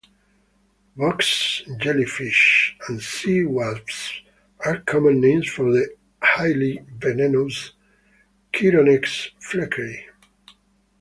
"Box jellyfish" and "sea wasp" are common names for the highly venomous "Chironex fleckeri".